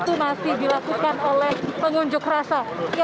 itu masih dilakukan oleh pengunjuk rasa